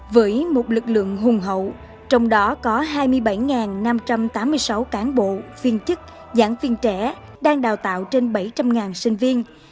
với một lực lượng hùng hậu trong đó có hai mươi bảy năm trăm tám mươi sáu cán bộ viên chức giảng viên trẻ đang đào tạo trên bảy trăm linh sinh viên